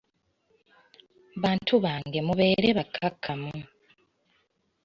Bantu bange mubeere bakkakkamu.